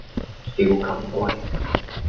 釣金龜